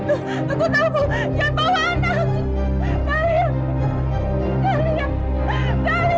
bukan saya hadir lagi